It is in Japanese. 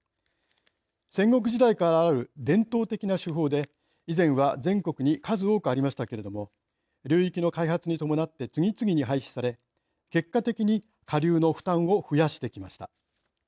戦国時代からある伝統的な手法で以前は全国に数多くありましたけれども流域の開発に伴って次々に廃止され結果的に下流の負担を増やしてきました。